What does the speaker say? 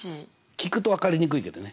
聞くと分かりにくいけどね